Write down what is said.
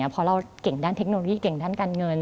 เพราะเราเก่งด้านเทคโนโลยีเก่งด้านการเงิน